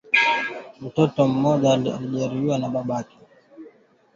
lakini kutokana na kuendelea kwa teknolojia hivi sasa tunatangaza kupitia pia kwenye mitambo